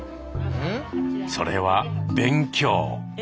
それは「勉強」。